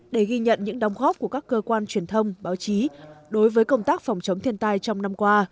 để ghi nhận những đóng góp của các cơ quan truyền thông báo chí đối với công tác phòng chống thiên tai trong năm qua